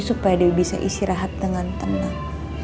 supaya dia bisa istirahat dengan tenang